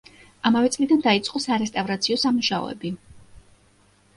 ამავე წლიდან დაიწყო სარესტავრაციო სამუშაოები.